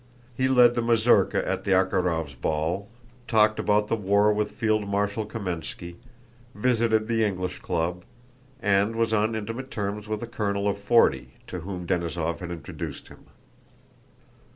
He led the mazurka at the Arkhárovs' ball, talked about the war with Field Marshal Kámenski, visited the English Club, and was on intimate terms with a colonel of forty to whom Denísov had introduced him.